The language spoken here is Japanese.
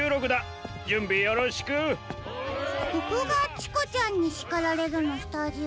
ここが「チコちゃんに叱られる！」のスタジオ？